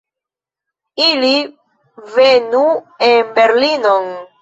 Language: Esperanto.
Ili venu en Berlinon!